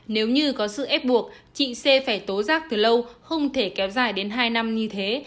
nếu như có sự ép buộc chị c phải tố giác từ lâu không thể kéo dài đến hai năm như thế